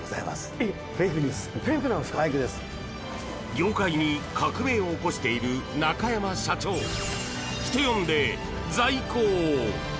業界に革命を起こしている中山社長人呼んで、在庫王！